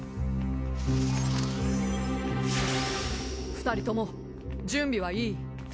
２人とも準備はいい？